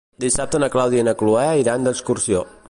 Dissabte na Clàudia i na Cloè iran d'excursió.